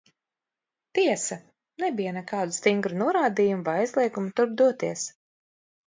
Tiesa, nebija nekādu stingru norādījumu vai aizliegumu turp doties.